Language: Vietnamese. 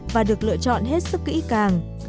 và được lựa chọn hết sức kỹ càng